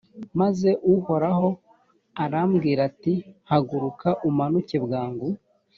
maze uhoraho arambwira ati haguruka, umanuke bwangu